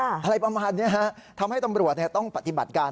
อะไรประมาณนี้ฮะทำให้ตำรวจต้องปฏิบัติการ